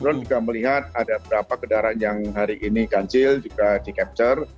drone juga melihat ada beberapa kendaraan yang hari ini ganjil juga di capture